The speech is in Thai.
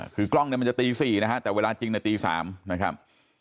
คือกล้องเนี่ยมันจะตี๔นะฮะแต่เวลาจริงในตี๓นะครับ